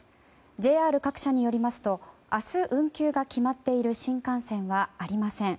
ＪＲ各社によりますと明日、運休が決まっている新幹線はありません。